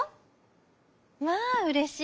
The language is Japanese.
「まあうれしい。